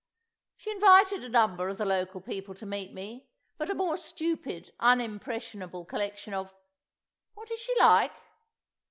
She invited a number of the local people to meet me; but a more stupid, unimpressionable collection of—— ... what is she like?